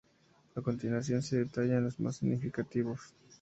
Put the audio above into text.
A continuación se detallan los más significativos.